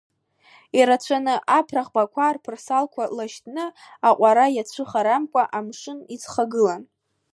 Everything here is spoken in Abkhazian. Ирацәаны, аԥра ӷбақәа рԥырсалқәа лашьҭны, аҟәара иацәыхарамкәа амшын иӡхгылан.